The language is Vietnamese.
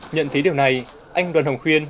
nhận thấy điều này anh đoàn hồng khuyên